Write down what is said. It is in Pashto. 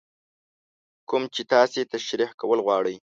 کوم چې تاسې تشرېح کول غواړئ.